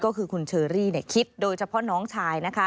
ก็คือคุณเชอรี่คิดโดยเฉพาะน้องชายนะคะ